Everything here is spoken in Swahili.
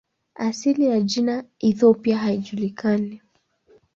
Asili ya jina "Ethiopia" haijulikani.